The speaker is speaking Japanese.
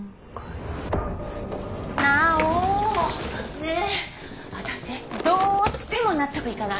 ねえ私どうしても納得いかない！